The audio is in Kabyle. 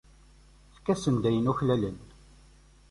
Efk-asen-d ayen uklalen.